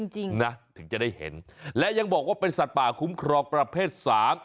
จริงนะถึงจะได้เห็นและยังบอกว่าเป็นสัตว์ป่าคุ้มครองประเภทสาม